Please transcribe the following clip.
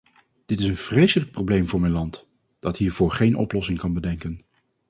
Dit is een vreselijk probleem voor mijn land, dat hiervoor geen oplossing kan bedenken.